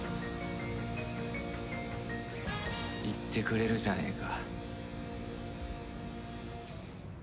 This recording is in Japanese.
言ってくれるじゃねえか。